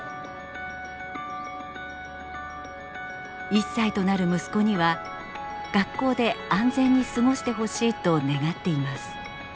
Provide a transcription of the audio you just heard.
１歳となる息子には学校で安全に過ごしてほしいと願っています。